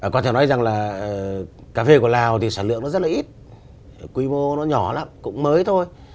có thể nói rằng là cà phê của lào thì sản lượng nó rất là ít quy mô nó nhỏ lắm cũng mới thôi